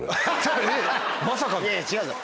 まさかの。